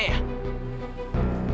tante mau pulang